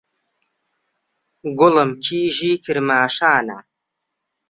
گوڵم کیژی کرماشانا